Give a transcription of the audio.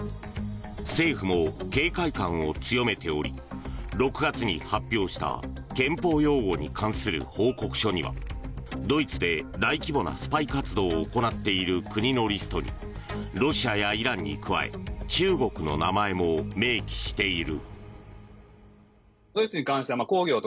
政府も警戒感を強めており６月に発表した憲法擁護に関する報告書にはドイツで大規模なスパイ活動を行っている国のリストにロシアやイランに加え中国の名前も明記している。